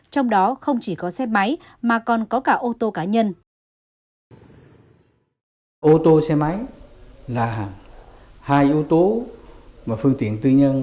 trong đó không chỉ có xe máy mà còn có cả ô tô cá nhân